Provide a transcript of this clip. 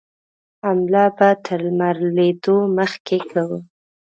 حمله به تر لمر لوېدو مخکې کوو.